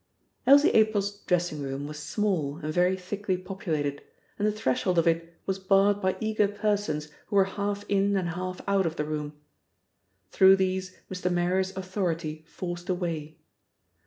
Elsie April's dressing room was small and very thickly populated, and the threshold of it was barred by eager persons who were half in and half out of the room. Through these Mr. Marrier's authority forced a way.